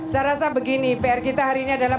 saya rasa begini pr kita hari ini adalah